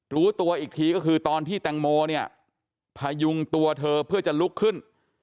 รู้ตัวอีกทีก็คือตอนที่แตงโมเนี่ยพยุงตัวเธอเพื่อจะลุกขึ้น